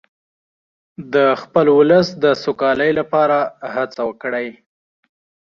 د خپل ولس د سوکالۍ لپاره هڅه وکړئ.